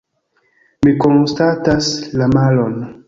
Mi konstatas la malon.